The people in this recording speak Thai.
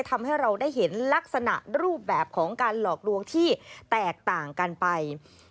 ทำให้เราได้เห็นลักษณะรูปแบบของการหลอกลวงที่แตกต่างกันไป